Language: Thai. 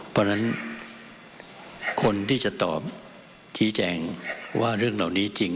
เพราะฉะนั้นคนที่จะตอบชี้แจงว่าเรื่องเหล่านี้จริง